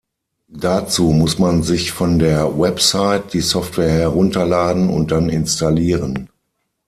Dazu muss man sich von der Website die Software herunterladen und dann installieren.